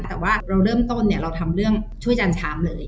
แต่ว่าเราเริ่มต้นเนี่ยเราทำเรื่องช่วยจันชามเลย